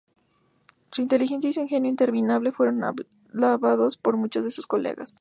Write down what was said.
Su inteligencia y su ingenio interminable fueron alabados por muchos de sus colegas.